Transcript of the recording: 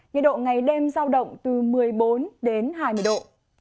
nhiệt độ ngày đêm giao động từ một mươi bốn đến hai mươi độ